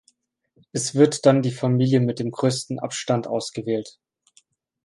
Es wird dann die Familie mit dem größten Abstand ausgewählt.